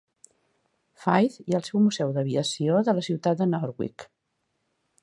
Faith i seu del Museu d'Aviació de la ciutat de Norwich.